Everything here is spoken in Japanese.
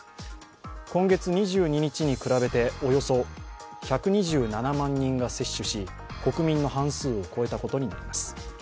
今月２２日に比べておよそ１２７万人が接種し国民の半数を超えたことになります。